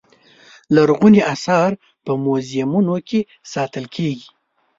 لرغوني اثار په موزیمونو کې ساتل کېږي.